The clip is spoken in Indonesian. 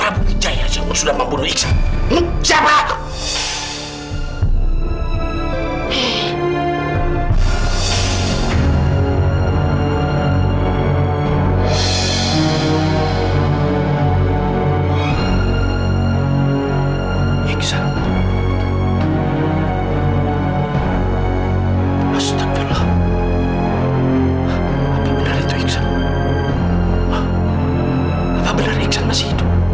bisa menunggu sendiri